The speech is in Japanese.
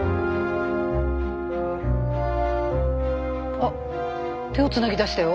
あっ手をつなぎだしたよ。